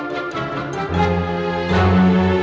kita tak takut